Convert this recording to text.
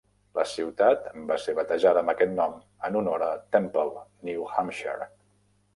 La ciutat va ser batejada amb aquest nom en honor a Temple, New Hampshire.